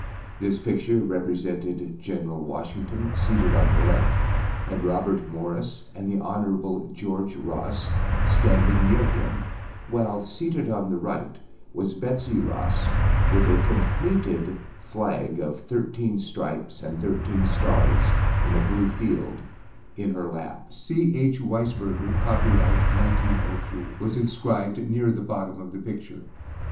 This picture represented General Washington seated on the left and Robert Morris and the Hon. George Ross standing near him, while, seated on the right, was Betsey Ross with a completed flag of thirteen stripes, and thirteen stars in a blue field, in her lap. âC. H. Weisberger, Copyright 1903,â was inscribed near the bottom of the picture.